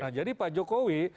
nah jadi pak jokowi